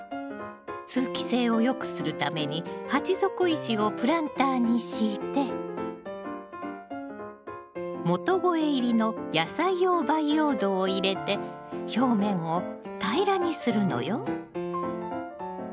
通気性を良くするために鉢底石をプランターに敷いて元肥入りの野菜用培養土を入れて表面を平らにするのよ。